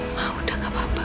mah udah gak apa apa